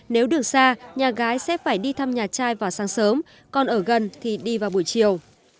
nếu được xa nhà gái sẽ phải đi thăm nhà trai vào sáng sớm còn ở gần thì đi vào buổi chiều